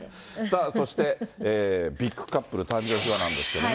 そして、ビッグカップル誕生秘話なんですけれども。